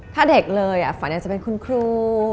ถ้าเด็กเลยฝันอยากจะเป็นคุณครู